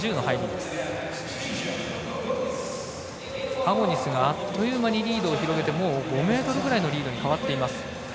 パゴニスがあっという間にリードを広げて５ｍくらいのリードに変わっています。